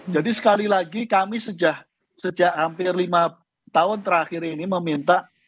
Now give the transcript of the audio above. jadi sekali lagi kami sejak hampir lima tahun terakhir ini meminta